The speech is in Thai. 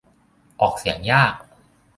ออกเสียงยาก